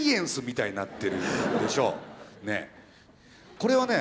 これはね